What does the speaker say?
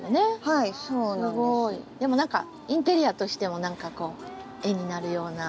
でも何かインテリアとしても絵になるような。